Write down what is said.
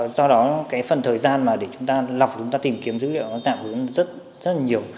do đó phần thời gian để chúng ta lọc chúng ta tìm kiếm dữ liệu giảm hướng rất nhiều